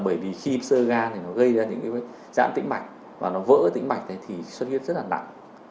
bởi vì khi sơ gan nó gây ra những giãn tính mạch và nó vỡ tính mạch thì xuất huyết rất là nặng